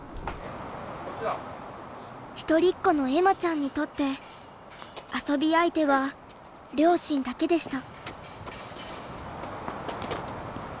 一人っ子の恵麻ちゃんにとって遊び相手は両親だけでした。